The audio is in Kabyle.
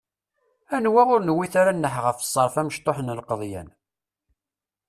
Anwa ur newwit ara nneḥ ɣef ṣṣerf amecṭuḥ n lqeḍyan!